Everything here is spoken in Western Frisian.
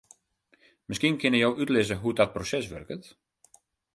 Miskien kinne jo útlizze hoe't dat proses wurket?